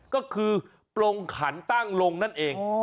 ก็คือปลงขันตั้งลงนั่นเอง